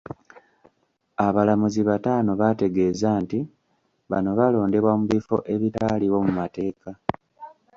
Abalamuzi bataano baategeeza nti bano balondebwa mu bifo ebitaaliwo mu mateeka.